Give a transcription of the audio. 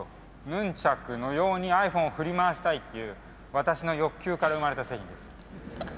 ヌンチャクのようにｉＰｈｏｎｅを振り回したいという私の欲求から生まれた製品です。